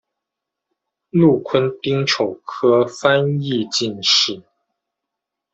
禄坤丁丑科翻译进士。